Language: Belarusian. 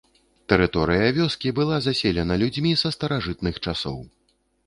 Тэрыторыя вёскі была заселена людзьмі са старажытных часоў.